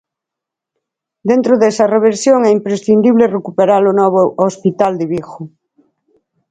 Dentro desa reversión é imprescindible recuperar o novo hospital de Vigo.